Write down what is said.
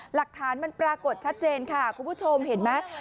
หลักฐานมันปรากฏชัดเจนค่ะคุณผู้ชมเห็นไหม